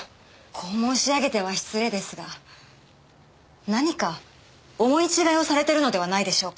こう申し上げては失礼ですが何か思い違いをされてるのではないでしょうか？